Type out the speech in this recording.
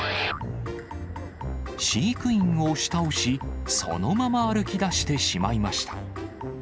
飼育員を押し倒し、そのまま歩きだしてしまいました。